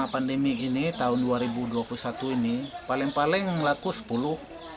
pandemi ini tahun dua ribu dua puluh satu ini paling paling laku sepuluh